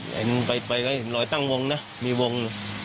พอดีก็ผมก็ติดต่อรถพยาบาลด่วนแล้วก็ได้ไปที่เกือเท